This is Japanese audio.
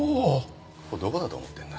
ここどこだと思ってるんだ？